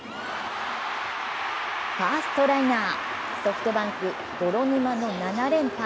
ファーストライナー、ソフトバンク泥沼の７連敗。